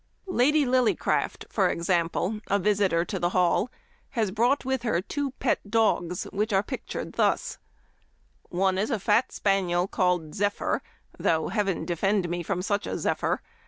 Lady Lillycraft, for example, a visitor to the Hall, has brought with her two pet dogs which are pictured thus :" One is a fat spaniel called Zephyr, though heaven defend me from such a Zephyr